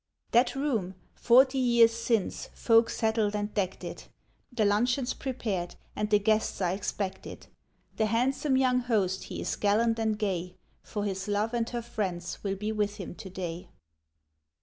That room, forty years since, folk settled and decked it. The luncheon's prepared, and the guests are expected, The handsome young host he is gallant and gay, For his love and her friends will be with him today.